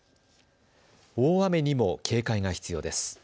大雨にも警戒が必要です。